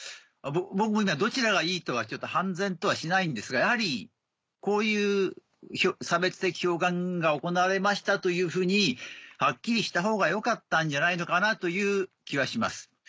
僕も今どちらがいいとは判然とはしないんですがやはりこういう差別的表現が行われましたというふうにハッキリしたほうがよかったんじゃないのかなという気はします。